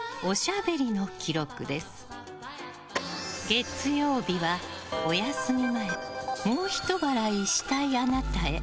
月曜日はお休み前もうひと笑いしたいあなたへ。